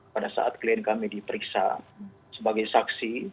pada saat klien kami diperiksa sebagai saksi